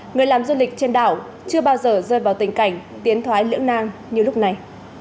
người làm du lịch trên đảo chưa bao giờ rơi vào tình cảnh tiến thoái lưỡng nang như lúc này